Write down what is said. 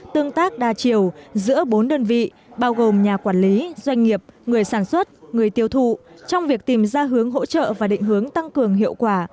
tương tác đa chiều giữa bốn đơn vị bao gồm nhà quản lý doanh nghiệp người sản xuất người tiêu thụ trong việc tìm ra hướng hỗ trợ và định hướng tăng cường hiệu quả